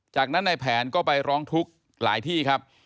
จากนั้นในแผนก็ไปร้องทุกข์หลายที่ครับ